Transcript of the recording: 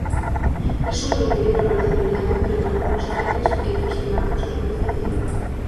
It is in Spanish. El suelo interior aparece nivelado, pero con algunos cráteres pequeños que marcan su superficie.